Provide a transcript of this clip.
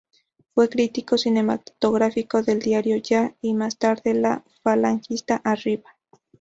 Fue crítico cinematográfico del diario "Ya" y, más tarde, del falangista "Arriba".